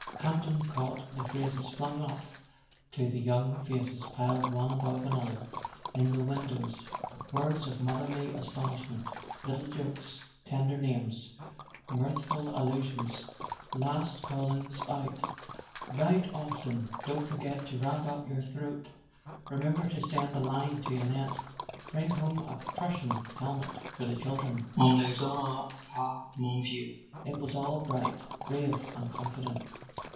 Campton caught the phrases flung up to the young faces piled one above another in the win¬ dows—words of motherly admonishment, little jokes, tender names, mirthful allusions, last callings out: "Write often! Don't forget to wrap up your throat. .. Remember to send a line to Annette. .. Bring home a Prussian helmet for the children ! On les aura , pas> mon vieux?" It was all bright, brave and confident.